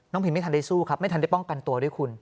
พิมไม่ทันได้สู้ครับไม่ทันได้ป้องกันตัวด้วยคุณ